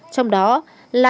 trong đó là